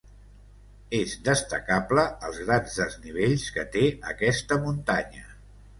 És destacable els grans desnivells que té aquesta muntanya.